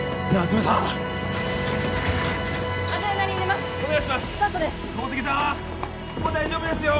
もう大丈夫ですよ